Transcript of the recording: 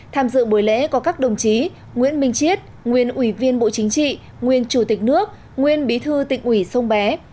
tham dự buổi lễ có các đồng chí nguyễn minh chiết nguyên ủy viên bộ chính trị nguyên chủ tịch nước nguyên bí thư tỉnh ủy sông bé